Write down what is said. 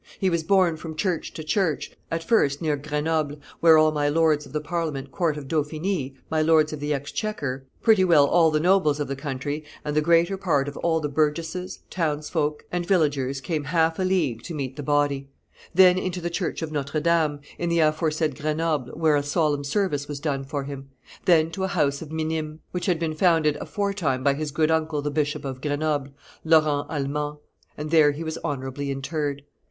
He was borne from church to church, at first near Grenoble, where all my lords of the parliament court of Dauphiny, my lords of the Exchequer, pretty well all the nobles of the country and the greater part of all the burgesses, townsfolk, and villagers came half a league to meet the body: then into the church of Notre Dame, in the aforesaid Grenoble, where a solemn service was done for him; then to a house of Minimes, which had been founded aforetime by his good uncle the bishop of Grenoble, Laurens Alment; and there he was honorably interred.